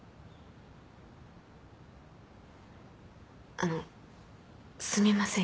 あのすみません。